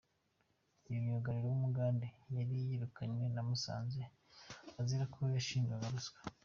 Uyu myugariro w’Umugande yari yirukanywe na Musanze azira ko yashinjwaga ruswa.